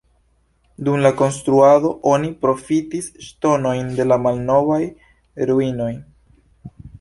Dum la konstruado oni profitis ŝtonojn de la malnovaj ruinoj.